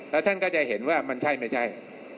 แล้วท่านก็จะเห็นว่ามันใช่ไม่ใช่